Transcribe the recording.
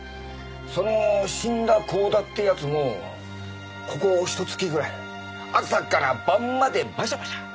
その死んだ光田って奴もここひと月ぐらい朝から晩までバシャバシャ。